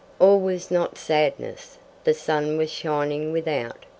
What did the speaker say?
All was not sadness. The sun was shining without.